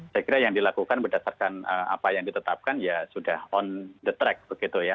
saya kira yang dilakukan berdasarkan apa yang ditetapkan ya sudah on the track begitu ya